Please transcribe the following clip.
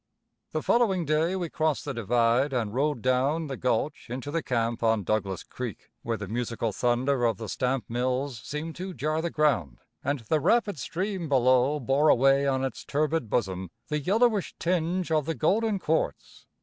The following day we crossed the divide and rode down the gulch into the camp on Douglass Creek, where the musical thunder of the stamp mills seemed to jar the ground, and the rapid stream below bore away on its turbid bosom the yellowish tinge of the golden quartz.